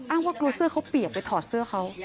ว่ากลัวเสื้อเขาเปียกไปถอดเสื้อเขา